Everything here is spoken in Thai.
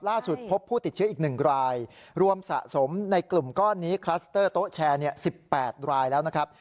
พบผู้ติดเชื้ออีก๑รายรวมสะสมในกลุ่มก้อนนี้คลัสเตอร์โต๊ะแชร์๑๘รายแล้วนะครับ